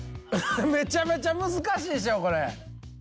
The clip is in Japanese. めちゃめちゃ難しいでしょこれ。